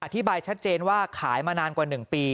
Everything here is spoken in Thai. อธิบายชัดเจนว่าขายมานานกว่า๑ปี